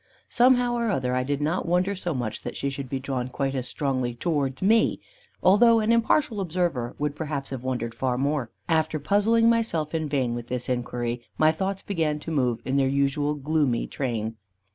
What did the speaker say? Somehow or other I did not wonder so much that she should be drawn quite as strongly towards me, although an impartial observer would perhaps have wondered far more. Alter puzzling myself in vain with this inquiry, my thoughts began to move, in their usual gloomy train.